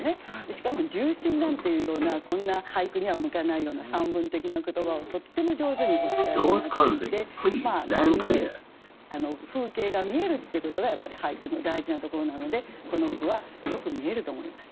しかも「重心」なんていうようなこんな俳句には向かないような散文的な言葉をとっても上手にお使いになっていて見える風景が見えるっていうことがやっぱり俳句の大事なところなのでこの句はよく見えると思います。